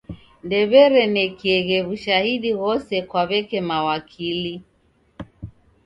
Ndew'erenekieghe w'ushahidi ghose kwa w'eke mawakili.